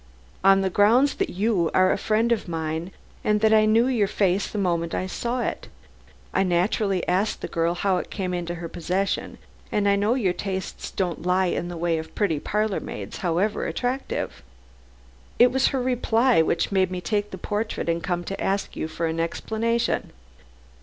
"On the grounds that you are a friend of mine, and that I knew your face the moment I saw it. I naturally asked the girl how it came into her possession, as I know your tastes don't lie in the way of pretty parlor maids, however attractive. It was her reply which made me take the portrait and come to ask you for an explanation."